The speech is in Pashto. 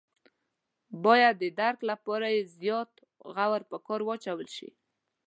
باید د درک لپاره یې زیات غور په کار واچول شي.